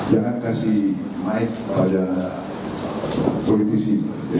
jangan kasih mic pada politisi